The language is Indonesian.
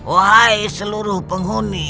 ohai seluruh penghuni